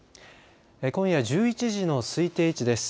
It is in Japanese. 今夜１１時の推定位置です。